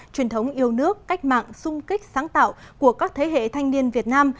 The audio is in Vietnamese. truyền thống yêu nước cách mạng sung kích sáng tạo của các thế hệ thanh niên việt nam